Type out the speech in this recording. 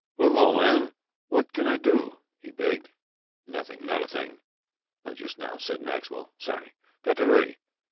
"Look, old man, what can I do?" he begged. "Nothing. Not a thing. Not just now," said Maxwell. "Sorry. Got to hurry.